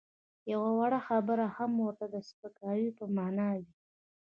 یوه وړه خبره هم ورته د سپکاوي په مانا وي.